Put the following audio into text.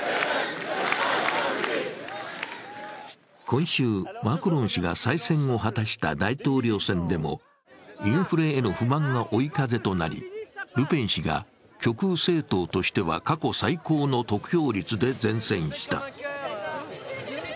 今週、マクロン氏が再選を果たした大統領選でもインフレへの不満が追い風となり、ルペン氏が極右政党としては過去最高の得票率で善戦した。